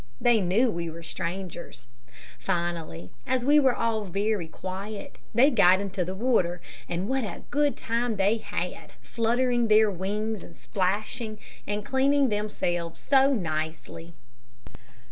They knew we were strangers. Finally, as we were all very quiet, they got into the water; and what a good time they had, fluttering their wings and splashing, and cleaning themselves so nicely.